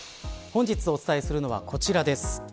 本日お伝えするのはこちらです。